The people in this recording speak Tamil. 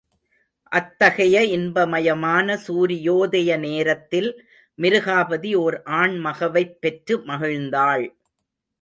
அத்தகைய இன்பமயமான சூரியோதய நேரத்தில் மிருகாபதி ஓர் ஆண் மகவைப் பெற்று மகிழ்ந்தாள்.